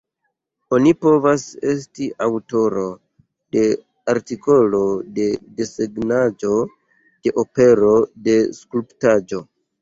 Oni povas esti aŭtoro de artikolo, de desegnaĵo, de opero, de skulptaĵo.